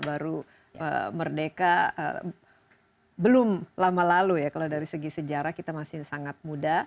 baru merdeka belum lama lalu ya kalau dari segi sejarah kita masih sangat muda